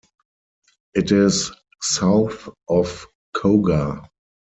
It is south of Cogar.